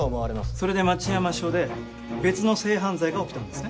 それで町山署で別の性犯罪が起きたんですね？